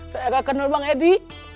saya akan kenal bang edi